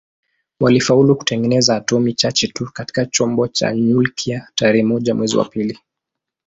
Walifaulu kutengeneza atomi chache tu katika chombo cha nyuklia tarehe moja mwezi wa pili